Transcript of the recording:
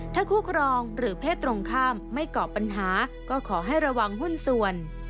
ถ้าคู่ครองหรือเพศตรงข้ามไม่เกาะปัญหาก็ขอให้ระวังหุ้นส่วน